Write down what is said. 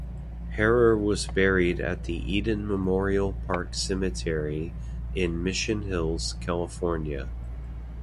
Herer was buried at the Eden Memorial Park Cemetery in Mission Hills, California.